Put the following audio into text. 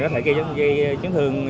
có thể gây chấn thương